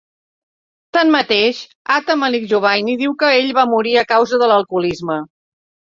Tanmateix, Ata-Malik Juvayni diu que ell va morir a causa de l'alcoholisme.